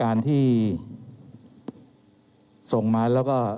เรามีการปิดบันทึกจับกลุ่มเขาหรือหลังเกิดเหตุแล้วเนี่ย